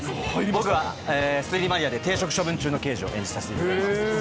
僕は推理マニアで停職処分中の刑事を演じさせていただいてます。